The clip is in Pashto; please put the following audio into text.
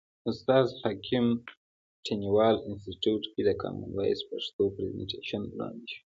استاد حکیم تڼیوال انستیتیوت کې د کامن وایس پښتو پرزنټیشن وړاندې شو.